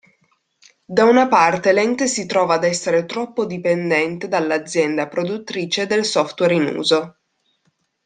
Da una parte l'ente si trova ad essere troppo dipendente dall'azienda produttrice del software in uso.